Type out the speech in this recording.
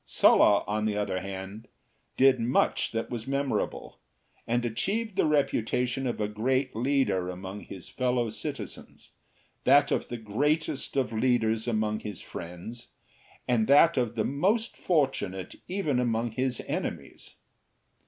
Sulla, on the other hand, did much that was memorable, and achieved the reputation of a great leader among his fellow citizens, that of the greatest of leaders among his friends, and that of the most fortunate even among his enemies.